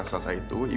ibu bakal nangis ya